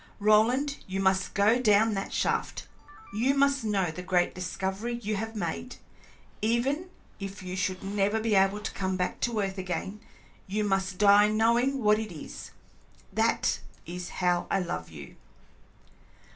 Roland, you must go down that shaft, you must know the great discovery you have made even if you should never be able to come back to earth again, you must die knowing what it is. That is how I love you!"